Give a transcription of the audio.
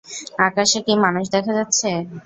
আকাশে কি মানুষ দেখা যাচ্ছে।